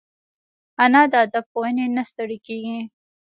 انا د ادب ښوونې نه ستړي کېږي